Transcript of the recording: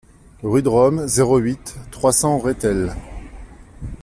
Rue de Rome, zéro huit, trois cents Rethel